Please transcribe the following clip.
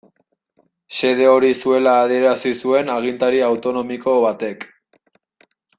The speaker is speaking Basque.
Xede hori zuela adierazi zuen agintari autonomiko batek.